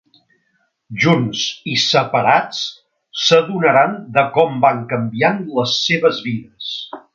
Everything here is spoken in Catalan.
Junts i separats s'adonaran de com van canviant les seves vides.